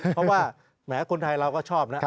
เพราะว่าแหมคนไทยเราก็ชอบนะ